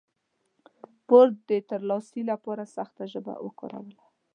پور د ترلاسي لپاره سخته ژبه وکاروله.